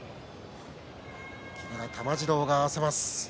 木村玉治郎が合わせます。